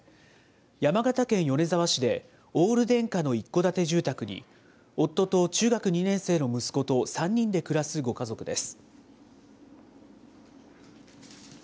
山形県米沢市で、オール電化の一戸建て住宅に、夫と中学２年生の息子と３人で暮らすご家族です。